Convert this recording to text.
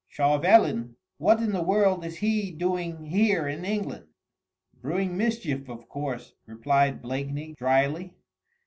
"Chauvelin! What in the world is he doing here in England?" "Brewing mischief, of course," replied Blakeney dryly.